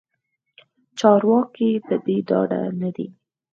چارواکې پدې ډاډه ندي